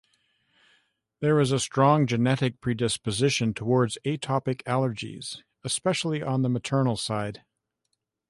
There is a strong genetic predisposition toward atopic allergies, especially on the maternal side.